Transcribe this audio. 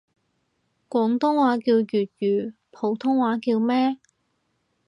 廣東話叫粵語，普通話叫咩？